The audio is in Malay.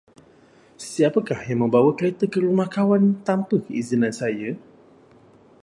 Siapakah yang membawa kereta ke rumah kawan tanpa keizinan saya?